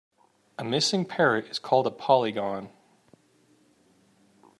A missing parrot is called a polygon.